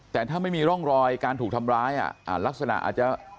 แต่ถ้าไม่มีร่องรอยการถูกทำร้ายลักษณะอาจจะ